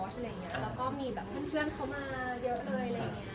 แล้วก็มีเพื่อนเขามาเยอะเลย